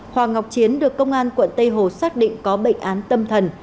hoàng ngọc chiến được công an quận tây hồ xác định có bệnh án tâm thần